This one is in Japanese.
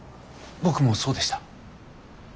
僕もそうでした。